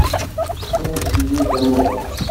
Ḥṣu s yir tamuɣli.